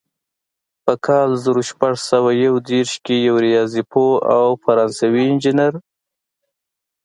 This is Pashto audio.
په کال زر شپږ سوه یو دېرش کې یو ریاضي پوه او فرانسوي انجینر.